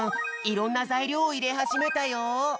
いろんなざいりょうをいれはじめたよ。